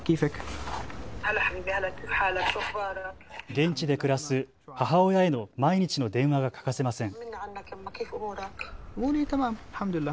現地で暮らす母親への毎日の電話が欠かせません。